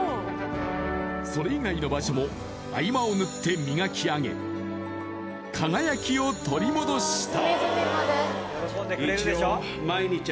それ以外の場所も合間を縫って磨き上げ輝きを取り戻した。